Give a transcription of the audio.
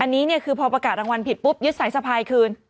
อันนี้เนี่ยคือพอประกาศรางวัลผิดปุ๊บยึดสายสะพายคืน